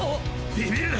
ビビるな！